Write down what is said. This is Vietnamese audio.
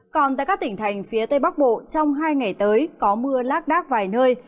còn tại các tỉnh thành phía tây bắc bộ trong hai ngày tới có mưa lác đác vài nơi